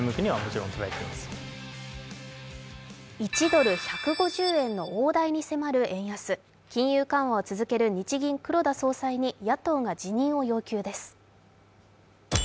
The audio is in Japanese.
１ドル＝１５０円の大台に迫る円安、金融緩和を続ける日銀・黒田総裁に野党が辞任を要求です。